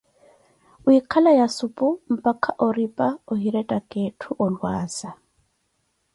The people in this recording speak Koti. wiikhala ya supu mpaka oripa ohirettaka etthu olwaaza.